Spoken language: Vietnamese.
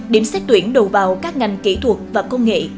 điểm xét tuyển đầu vào các ngành kỹ thuật và công nghệ